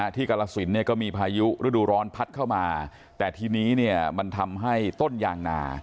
กรสินเนี่ยก็มีพายุฤดูร้อนพัดเข้ามาแต่ทีนี้เนี่ยมันทำให้ต้นยางนา